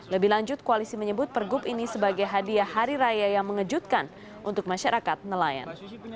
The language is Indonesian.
lebih lanjut koalisi menyebut pergub ini sebagai hadiah hari raya yang mengejutkan untuk masyarakat nelayan